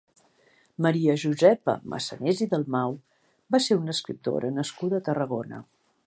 Maria Josepa Massanés i Dalmau va ser una escriptora nascuda a Tarragona.